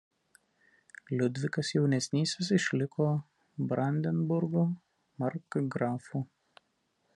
Liudvikas Jaunesnysis išliko Brandenburgo markgrafu.